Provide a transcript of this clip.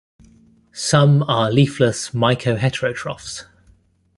Some are leafless myco-heterotrophs.